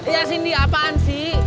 ya sindi apaan sih